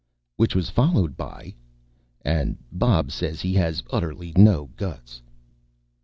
_ Which was followed by: _... and Bob says he has utterly no guts.